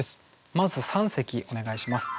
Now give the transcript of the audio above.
まず三席お願いします。